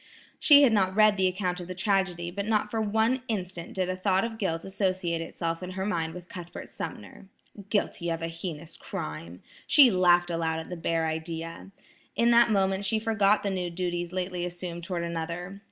She had not read the account of the tragedy, but not for one instant did a thought of guilt associate itself in her mind with Cuthbert Sumner. Guilty of a heinous crime! She laughed aloud at the bare idea. In that moment she forgot the new duties lately assumed toward another.